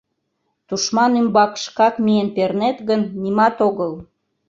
Тушман ӱмбак шкак миен пернет гын, нимат огыл.